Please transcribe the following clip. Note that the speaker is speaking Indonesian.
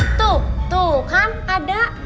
tuh tuh kan ada